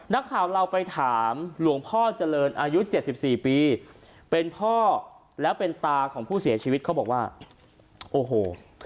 นักข่าวเราไปถามหลวงพ่อเจริญอายุเจ็ดสิบสี่ปีเป็นพ่อแล้วเป็นตาของผู้เสียชีวิตเขาบอกว่าโอ้โห